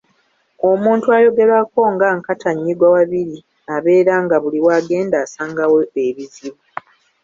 Omuntu ayogerwako nga Nkatannyigwawabiri abeera nga buli w’agenda asangawo ebizibu.